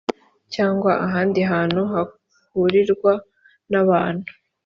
cyangwa ahandi hantu hahurirwa n abantu